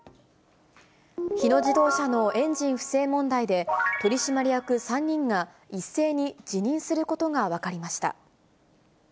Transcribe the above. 日野自動車のエンジン不正問題で、取締役３人が一斉に辞任することが分かりました。